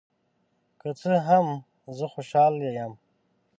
که څه هم، زه خوشحال یم.